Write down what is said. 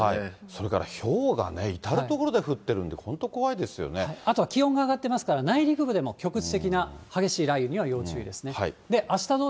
それからひょうがね、至る所で降っているんで、本当、あとは気温が上がってますから、内陸部でも局地的な激しい雷雨には要注意ですね。